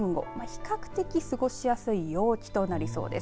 比較的過ごしやすい陽気となりそうです。